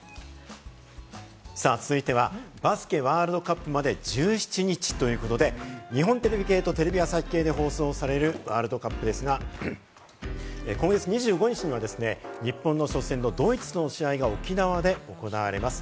続いては、バスケワールドカップまで１７日ということで、日本テレビ系とテレビ朝日系で放送されるワールドカップですが、今月２５日には日本の初戦のドイツとの試合が沖縄で行われます。